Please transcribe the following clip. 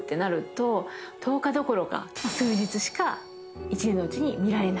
１０日どころか数日しか１年のうちに見られない